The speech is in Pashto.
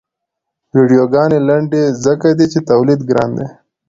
ویډیوګانې لنډې ځکه دي چې تولید ګران دی.